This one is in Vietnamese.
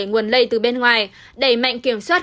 nguồn lây từ bên ngoài đẩy mạnh kiểm soát